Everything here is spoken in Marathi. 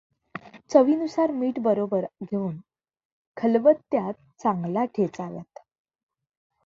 चवीनुसार मीठ बरोबर घेऊन खलबत्त्यात चांगल्या ठेचाव्यात.